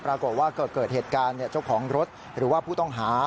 ปรากฏว่าเกิดเหตุการณ์เจ้าของรถหรือว่าผู้ต้องหา